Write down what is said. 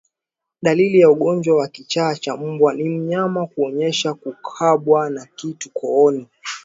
Dalili ya ugonjwa wa kichaa cha mbwa ni mnyama kuonyesha kukabwa na kitu kooni